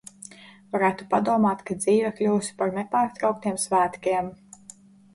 Varētu padomāt, ka dzīve kļuvusi par nepārtrauktiem svētkiem